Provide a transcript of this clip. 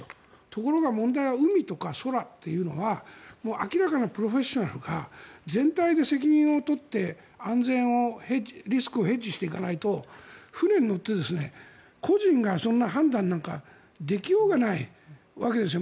ところが問題は海とか空は明らかなプロフェッショナルが全体で責任を取って安全を、リスクをヘッジしていかないと船に乗って個人が判断なんかできようがないわけです。